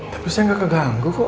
tapi saya nggak keganggu kok